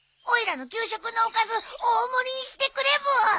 おいらの給食のおかず大盛りにしてくれブー。